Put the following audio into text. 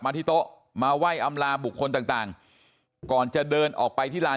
ที่โต๊ะมาไหว้อำลาบุคคลต่างก่อนจะเดินออกไปที่ลาน